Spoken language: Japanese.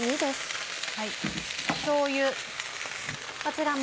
しょうゆ。